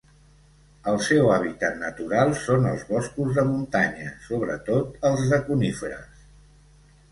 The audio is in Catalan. El seu hàbitat natural són els boscos de muntanya, sobretot els de coníferes.